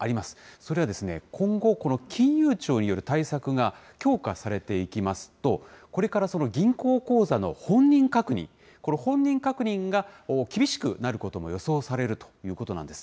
それは今後、この金融庁による対策が強化されていきますと、これから銀行口座の本人確認、この本人確認が厳しくなることも予想されるということなんです。